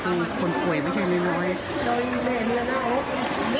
คือคนป่วยไม่ใช่เล่น